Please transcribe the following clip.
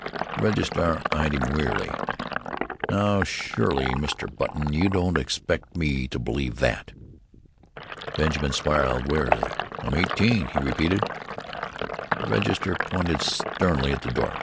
The registrar eyed him wearily. "Now surely, Mr. Button, you don't expect me to believe that." Benjamin smiled wearily. "I am eighteen," he repeated. The registrar pointed sternly to the door.